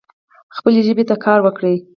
خپلي ژبي ته کار وکړئ.